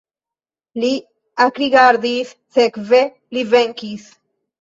Li ekrigardis, sekve li venkis.